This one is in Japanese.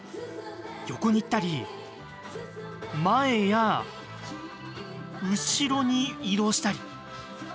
横に行ったり前や後ろに移動したり。